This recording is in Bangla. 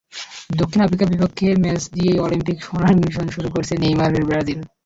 দক্ষিণ আফ্রিকার বিপক্ষে ম্যাচ দিয়েই অলিম্পিক সোনার মিশন শুরু করছে নেইমারের ব্রাজিল।